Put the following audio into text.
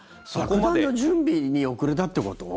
爆弾の準備に遅れたってこと？